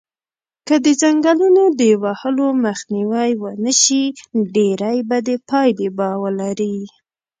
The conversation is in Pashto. که د ځنګلونو د وهلو مخنیوی و نشی ډیری بدی پایلی به ولری